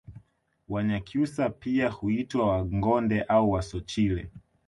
Wanyakyusa pia huitwa Wangonde au Wasochile